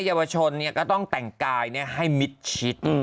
เยาวชนก็ต้องแต่งกายให้มิดชิด